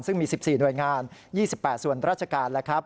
ซึ่งมี๑๔หน่วยงาน๒๘ส่วนราชการแล้วครับ